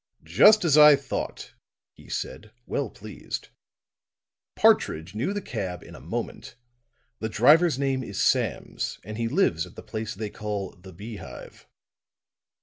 "Just as I thought," he said, well pleased. "Partridge knew the cab in a moment. The driver's name is Sams, and he lives at the place they call the Beehive."